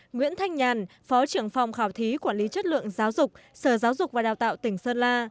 nguyễn thanh nhàn phó trưởng phòng khảo thí quản lý chất lượng giáo dục sở giáo dục và đào tạo tỉnh sơn la